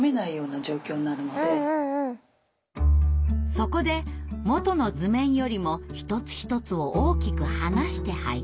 そこで元の図面よりも一つ一つを大きく離して配置。